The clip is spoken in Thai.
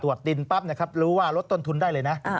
ดินปั๊บนะครับรู้ว่าลดต้นทุนได้เลยนะ